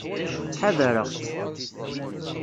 Ttḥadareɣ-tt.